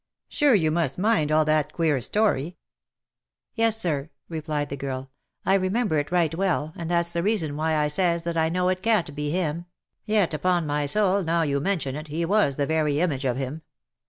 Sure you must mind all that queer story ?"" Yes, sir," replied the girl ;" I remember it right well, and that's the reason why I says that I know it can't be him." " Yet upon my soul, now you mention it, he was the very image of him.